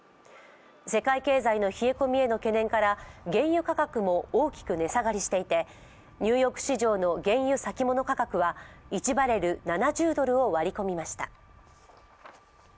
世界経済の冷え込みへの懸念から原油価格も、大きく値下がりしていて、ニューヨーク市場の原油先物価格は１バレル７０ドルを割り込みました。